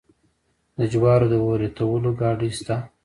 د جوارو د وریتولو ګاډۍ شته.